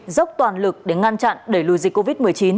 dốc toàn lực để ngăn chặn đẩy lùi dịch covid một mươi chín